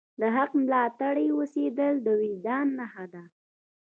د حق ملاتړی اوسیدل د وجدان نښه ده.